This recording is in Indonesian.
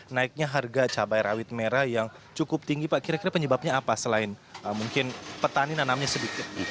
naiknya harga cabai rawit merah yang cukup tinggi pak kira kira penyebabnya apa selain mungkin petani nanamnya sedikit